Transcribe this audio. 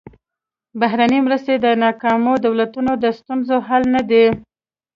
بهرنۍ مرستې د ناکامو دولتونو د ستونزو حل نه دي.